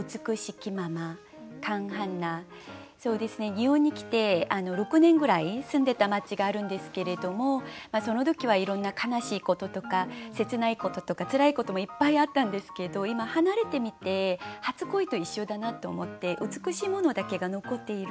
日本に来て６年ぐらい住んでた街があるんですけれどもその時はいろんな悲しいこととか切ないこととかつらいこともいっぱいあったんですけど今離れてみて初恋と一緒だなと思って美しいものだけが残っている。